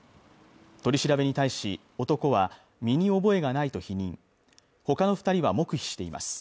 取り調べに対し男は身に覚えがないと否認ほかの二人は黙秘しています